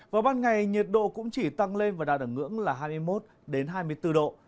và ban ngày nhiệt độ cũng chỉ tăng lên và đạt đẳng ngưỡng là hai mươi một đến hai mươi bốn độ